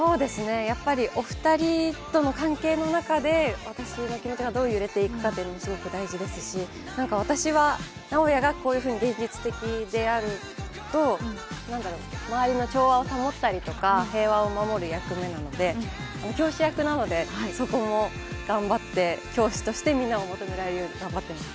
お二人とも関係の中で私の気持ちがどう揺れていくかというのがすごく大事ですし、私は直哉が現実的であると、周りの調和を保ったりとか平和を守る役なので教師役なのでそこも頑張って教師としてみんなをまとめられるように頑張ってます。